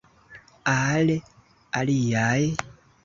Al aliaj?